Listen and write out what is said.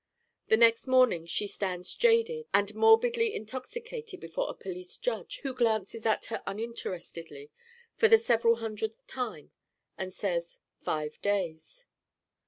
The next morning she stands jaded and morbidly intoxicated before a police judge who glances at her uninterestedly for the several hundredth time and says five days.